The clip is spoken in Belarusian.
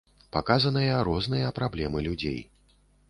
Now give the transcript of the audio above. Паказаныя розныя праблемы людзей.